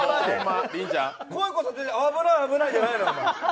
声こそ出てない、危ない危ないじゃないのよ。